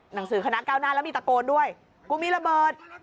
หนังสือคณะก้าวหน้าแล้วมีตะโกนด้วยกูมีระเบิด